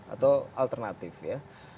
atau alternatif ya